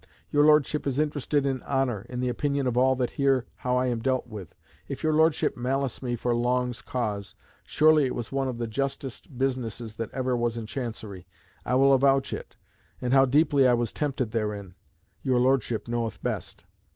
Your Lordship is interested in honour, in the opinion of all that hear how I am dealt with. If your Lordship malice me for Long's cause, surely it was one of the justest businesses that ever was in Chancery. I will avouch it; and how deeply I was tempted therein, your Lordship knoweth best.